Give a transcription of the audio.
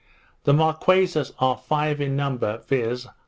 The Marquesas are five in number, viz.